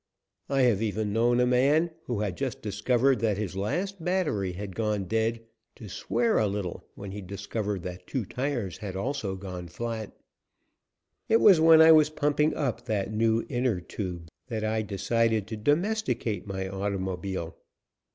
I have even known a man who had just discovered that his last battery had gone dead to swear a little when he discovered that two tires had also gone flat. It was when I was pumping up that new inner tube that I decided to domesticate my automobile.